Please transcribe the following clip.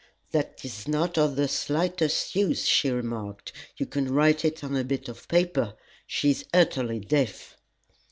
"That is not of the slightest use," she remarked. "You can write it on a bit of paper. She is utterly deaf."